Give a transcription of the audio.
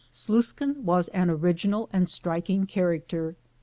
Sluiskin was an original and striking character.